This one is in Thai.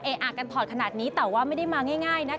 ะกันถอดขนาดนี้แต่ว่าไม่ได้มาง่ายนะคะ